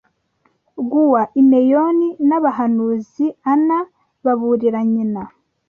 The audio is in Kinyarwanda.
Gua imeyoni na bahanuzi Ana, baburira nyina